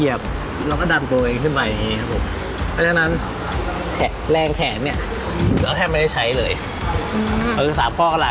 เอาละค่ะ